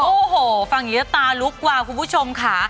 โอ้โหฟังอย่างนี้แล้วตาลุกวาวคุณผู้ชมค่ะ